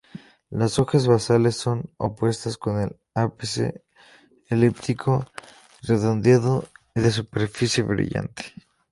Las hojas basales son opuestas con el ápice elíptico, redondeado y de superficie brillante.